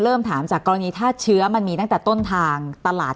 ถามจากกรณีถ้าเชื้อมันมีตั้งแต่ต้นทางตลาด